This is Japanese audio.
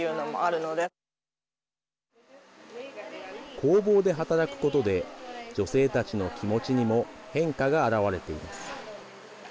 工房で働くことで女性たちの気持ちにも変化が表れています。